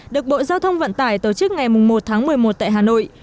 được bộ giao thông vận tải tổ chức ngày một tháng một mươi một tại hà nội